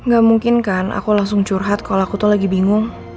gak mungkin kan aku langsung curhat kalau aku tuh lagi bingung